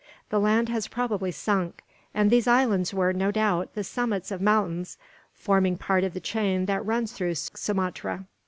The land has probably sunk; and these islands were, no doubt, the summits of mountains forming part of the chain that runs through Sumatra.